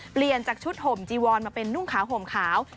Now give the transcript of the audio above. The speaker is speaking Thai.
เปลี่ยนจากชุดห่มจีวอนมาเป็นนุ่งขาวห่มขาว